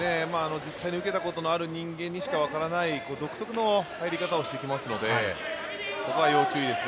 実際に受けたことのある人間にしか分からない、独特の入り方をしてきますので、そこは要注意ですね。